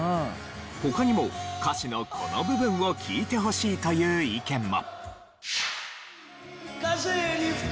他にも歌詞のこの部分を聴いてほしいという意見も。